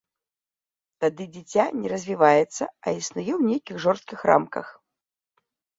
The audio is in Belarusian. Тады дзіця не развіваецца, а існуе ў нейкіх жорсткіх рамках.